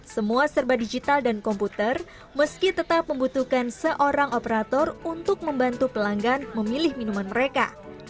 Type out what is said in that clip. semua serba digital dan komputer meski tetap membutuhkan seorang operator untuk membantu pelanggan memilih minuman mereka